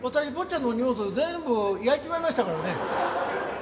ちゃんの荷物全部焼いちまいましたからね。